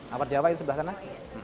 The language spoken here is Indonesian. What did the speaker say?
aparjawa ini sebelah kanan